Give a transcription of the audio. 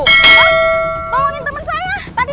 tolongin temen saya